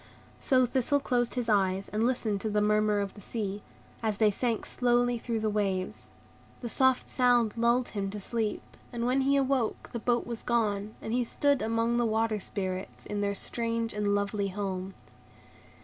So Thistle closed his eyes, and listened to the murmur of the sea, as they sank slowly through the waves. The soft sound lulled him to sleep, and when he awoke the boat was gone, and he stood among the Water Spirits, in their strange and lovely home.